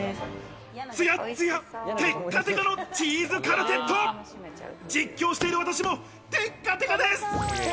つやつや、テカテカのチーズカルテット、実況してる私もテッカテカです。